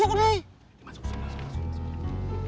masuk masuk masuk